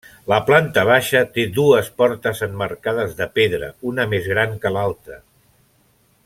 La planta baixa té dues portes emmarcades de pedra, una més gran que l'altra.